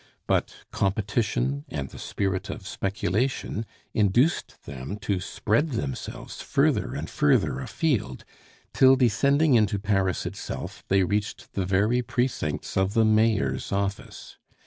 But competition and the spirit of speculation induced them to spread themselves further and further afield, till descending into Paris itself they reached the very precincts of the mayor's office.